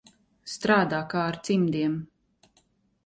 Strādā kā ar cimdiem.